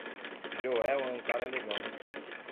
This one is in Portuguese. Joel é um cara legal.